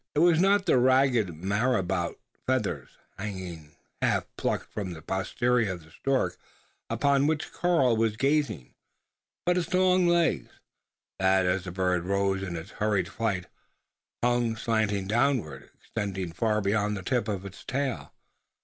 It was not the ragged Marabout feathers, hanging half plucked from the posterior of the stork, upon which Karl was gazing; but its long legs, that, as the bird rose in its hurried flight, hung, slantingly downward, extending far beyond the tip of its tail.